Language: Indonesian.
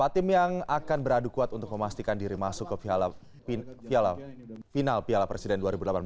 tim yang akan beradu kuat untuk memastikan diri masuk ke final piala presiden dua ribu delapan belas